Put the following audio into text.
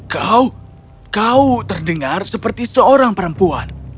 kau kau terdengar seperti seorang perempuan